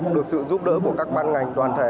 được sự giúp đỡ của các ban ngành đoàn thể